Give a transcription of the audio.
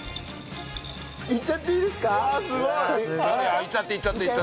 いっちゃっていっちゃって。